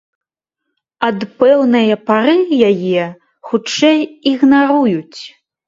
Ад пэўнае пары яе, хутчэй, ігнаруюць.